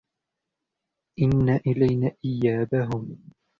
إِنَّ إِلَيْنَا إِيَابَهُمْ